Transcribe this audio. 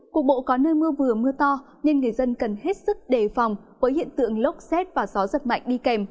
cục bộ có nơi mưa vừa mưa to nên người dân cần hết sức đề phòng với hiện tượng lốc xét và gió giật mạnh đi kèm